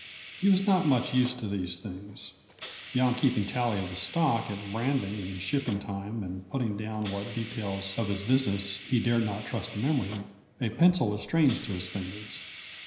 He was not much used to these things; beyond keeping tally of the stock at branding and shipping time and putting down what details of his business he dared not trust to memory, a pencil was strange to his fingers.